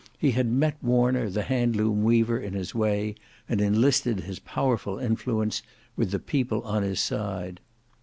He had met Warner the handloom weaver in his way, and enlisted his powerful influence with the people on his side.